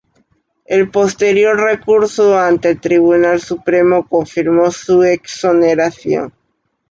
El posterior recurso ante el Tribunal Supremo confirmó su exoneración.